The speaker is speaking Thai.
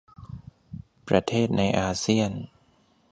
ประเทศในอาเซียน